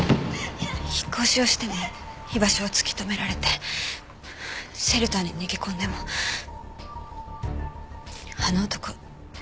引っ越しをしても居場所を突き止められてシェルターに逃げ込んでもあの男